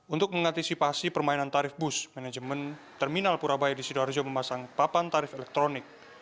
untuk mengantisipasi permainan tarif bus manajemen terminal purabaya di sidoarjo memasang papan tarif elektronik